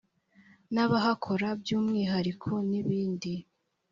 n’abahakora by’umwihariko n’ibindi